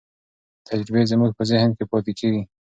تجربې زموږ په ذهن کې پاتې کېږي.